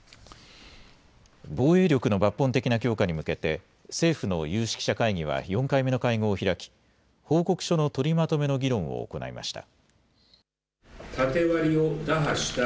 防衛力の抜本的な強化に向けて政府の有識者会議は４回目の会合を開き、報告書の取りまとめの議論を行いました。